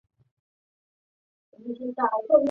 她的妹妹凯蒂同样也是一名游泳选手。